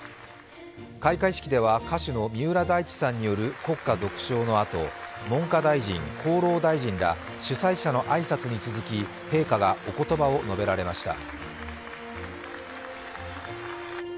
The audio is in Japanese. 開会式では歌手の三浦大知さんによる国歌独唱のあと、文科大臣、厚労大臣ら主催者の挨拶に続き、陛下がおことばを述べられました。